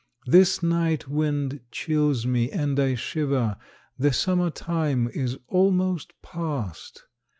This night wind chills me, and I shiver; The Summer time is almost past.